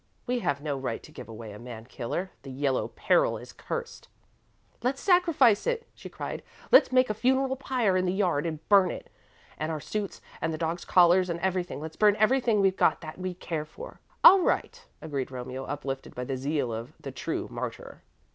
"We have no right to give away a man killer. 'The Yellow Peril' is cursed." "Let's sacrifice it," she cried. "Let's make a funeral pyre in the yard and burn it, and our suits and the dogs' collars and everything. Let's burn everything we've got that we care for!" "All right," agreed Romeo, uplifted by the zeal of the true martyr.